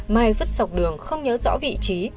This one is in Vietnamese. mai vứt dọc đường không nhớ rõ vị trí